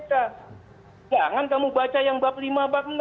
jangan kamu baca yang bab lima bab enam